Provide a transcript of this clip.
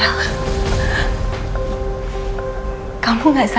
aku kayaknya nungguin dia